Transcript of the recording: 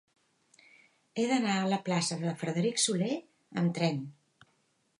He d'anar a la plaça de Frederic Soler amb tren.